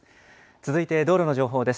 続いて道路の情報です。